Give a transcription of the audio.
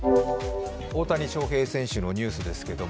大谷翔平選手のニュースですけど、